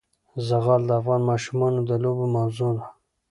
زغال د افغان ماشومانو د لوبو موضوع ده.